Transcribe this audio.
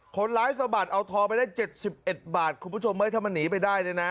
คนร้ายสมบัติเอาทอไปได้เจ็ดสิบเอ็ดบาทคุณผู้ชมไม่ให้ทำมาหนีไปได้เลยน่ะ